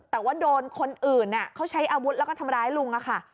แต่ว่าโดนคนอื่นเขาใช้อาวุธแล้วก็ทำร้ายลุงค่ะ